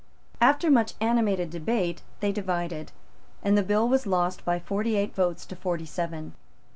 After much animated debate, they divided; and the bill was lost by forty eight votes to forty seven.